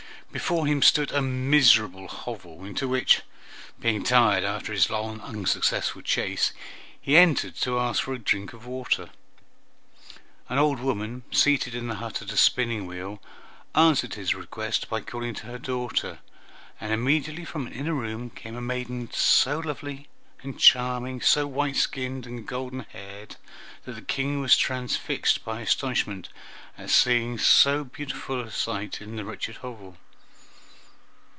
Before him stood a miserable hovel, into which, being tired after his long, unsuccessful chase, he entered to ask for a drink of water. An old woman, seated in the hut at a spinning wheel, answered his request by calling to her daughter, and immediately from an inner room came a maiden so lovely and charming, so white skinned and golden haired, that the King was transfixed by astonishment at seeing so beautiful a sight in the wretched hovel.